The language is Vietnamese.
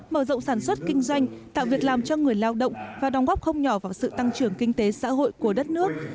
mở rộng sản xuất kinh doanh tạo việc làm cho người lao động và đóng góp không nhỏ vào sự tăng trưởng kinh tế xã hội của đất nước